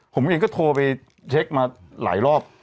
ผมเองก็โทรไปเช็คมาหลายรอบ